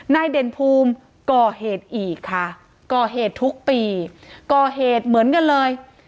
เด่นภูมิก่อเหตุอีกค่ะก่อเหตุทุกปีก่อเหตุเหมือนกันเลย